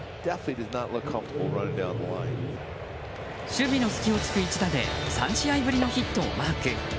守備の隙を突く一打で３試合ぶりのヒットをマーク。